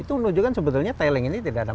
itu menunjukkan sebetulnya tiling ini tidak ada